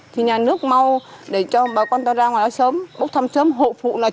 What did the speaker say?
thì nhà nước mau để cho bà con ta ra ngoài đó sớm bóc thăm sớm hộ phụ nào